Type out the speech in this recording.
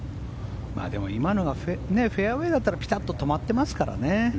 でも今のがフェアウェーだったらピタッと止まってますからね。